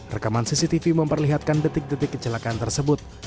rekaman cctv memperlihatkan detik detik kecelakaan tersebut